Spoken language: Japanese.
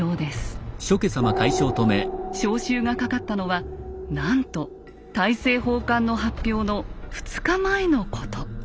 招集がかかったのはなんと大政奉還の発表の２日前のこと。